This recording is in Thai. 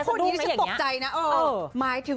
สมดุลอย่างนี้